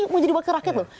mau jadi wakil rakyat loh